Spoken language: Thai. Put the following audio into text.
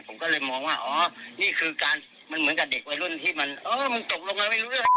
ผมก็เลยมองว่าอ๋อนี่คือการมันเหมือนกับเด็กวัยรุ่นที่มันเออมันตกลงกันไม่รู้เรื่อง